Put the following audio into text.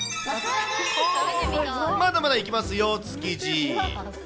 まだまだいきますよ、築地。